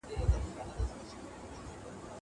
روح یې ښاد او سفر یې بختور شه.